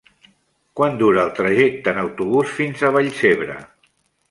Quant dura el trajecte en autobús fins a Vallcebre?